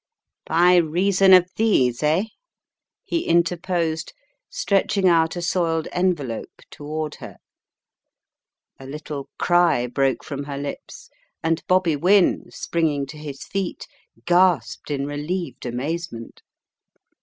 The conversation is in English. "By reason of these, eh?" he interposed, stretch ing out a soiled envelope toward her. A little cry broke from her lips, and Bobby Wynne, springing to his feet, gasped in relieved amazement.